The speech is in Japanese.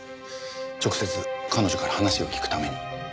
直接彼女から話を聞くために。